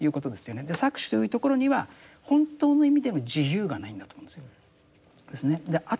搾取というところには本当の意味での自由がないんだと思うんですよ。